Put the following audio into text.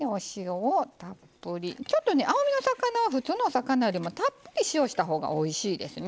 ちょっと青みの魚は普通のお魚よりもたっぷり塩をした方がおいしいですね。